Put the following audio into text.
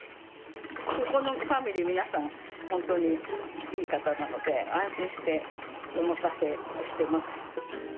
ここのファミリー、皆さん、本当にいい方なので、安心して、お任せしてます。